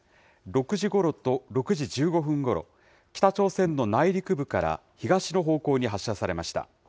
６時ごろと６時１５分ごろ、北朝鮮の内陸部から東の方向に発射されました。